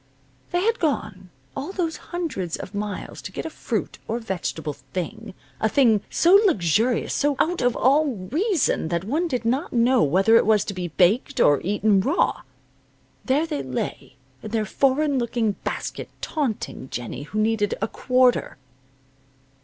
They had gone all those hundreds of miles to get a fruit or vegetable thing a thing so luxurious, so out of all reason that one did not know whether it was to be baked, or eaten raw. There they lay, in their foreign looking basket, taunting Jennie who needed a quarter.